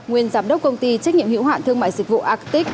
nguyên giám đốc công ty trách nhiệm hiệu hạn thương mại dịch vụ actic